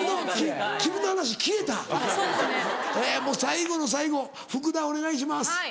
もう最後の最後福田お願いします。